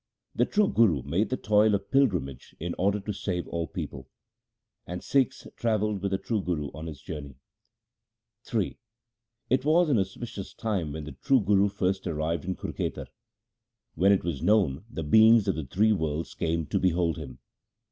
The true Guru made the toil of pilgrimage in order to save all people ; And Sikhs travelled with the true Guru on his journey. Ill It was an auspicious time when the true Guru first arrived in Kurkhetar. When it was known, the beings of the three worlds came to behold him.